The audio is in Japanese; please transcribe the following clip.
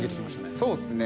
そうですね。